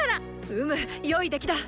うむ良い出来だ！